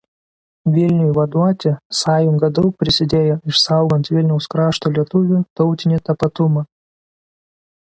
Vilniui vaduoti sąjunga daug prisidėjo išsaugant Vilniaus krašto lietuvių tautinį tapatumą.